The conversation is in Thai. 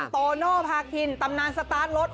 โตโนภาคินตำนานสตาร์ทรถ